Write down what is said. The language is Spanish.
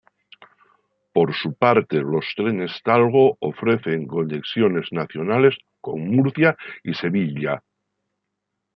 Por su parte los trenes Talgo ofrecen conexiones nacionales con Murcia y Sevilla.